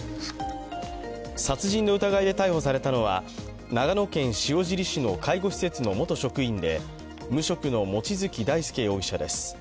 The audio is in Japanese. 殺人の疑いで逮捕されたのは長野県塩尻市の介護施設の元職員で無職の望月大輔容疑者です。